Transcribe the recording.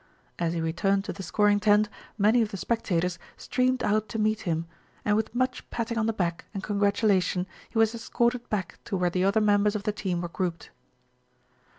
As he returned to the scoring tent, many of the spectators streamed out to meet him, and with much patting on the back and congratulation he was escorted back to where the other members of the team were grouped.